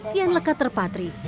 kian lekat terpatri